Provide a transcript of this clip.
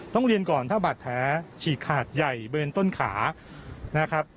ต้องเรียนก่อนถ้าบาดแผลฉีกขาดใหญ่เบิร์นต้นขานะครับ